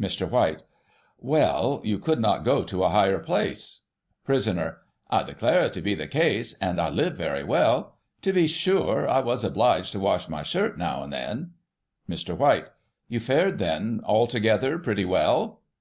Mr. White: Well, you could not go to a higher place. Prisoner : I declare it to be the case, and I lived very well. To be sure, I was obliged to wash my shirt now and then. Mr. White : You fared, then, altogether, pretty well